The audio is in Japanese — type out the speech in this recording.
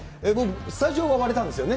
スタジオは割れたんですよね、